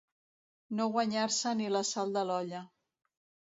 No guanyar-se ni la sal de l'olla.